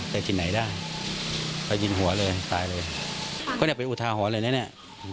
แต่ที่ไหนได้เขายิงหัวเลยตายเลยเขาเนี้ยเป็นอุทาหอนเลยเนี้ยเนี้ย